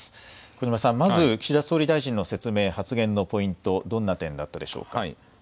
小嶋さん、まず岸田総理大臣の説明、発言のポイント、どんな点だったでしょうか。